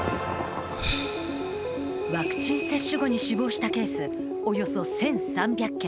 ワクチン接種後に死亡したケース、およそ１３００件。